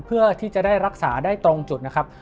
เพื่อที่จะได้รักษาได้ตรงจุดนะครับ